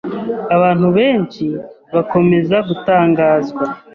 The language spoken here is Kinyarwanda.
Abantu benshi bakomeza gutangazwa